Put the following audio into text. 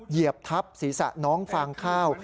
เหยียบทับศีรษะน้องฟางข้าว